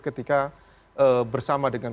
ketika bersama dengan